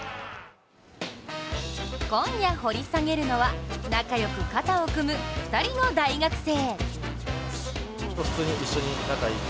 今夜掘り下げるのは仲良く肩を組む２人の大学生。